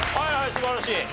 素晴らしい。